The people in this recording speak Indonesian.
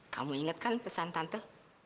kamu inget kan pesan tante